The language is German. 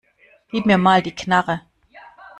Gib mir mal die Knarre.